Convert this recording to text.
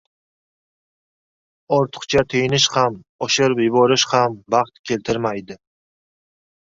Ortiqcha tiyinish ham, oshirib yuborish ham baxt keltirmaydi.